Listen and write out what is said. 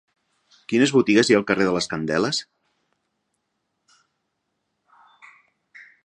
Quines botigues hi ha al carrer de les Candeles?